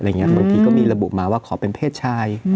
บางทีก็มีระบุมาว่าขอเป็นเพศชาย